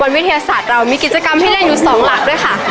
วิทยาศาสตร์เรามีกิจกรรมให้เล่นอยู่สองหลักด้วยค่ะ